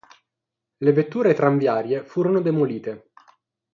Le vetture tranviarie furono demolite.